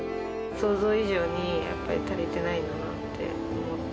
想像以上にやっぱり足りてないなって思って。